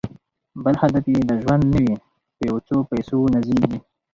بل هدف یې د ژوند نه وي په یو څو پیسو نازیږي